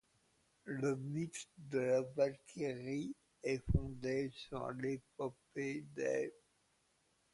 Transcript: Le mythe de la walkyrie est fondé sur l'épopée des skjaldmös.